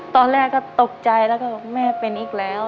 ตอนแรกก็ตกใจแล้วก็บอกแม่เป็นอีกแล้ว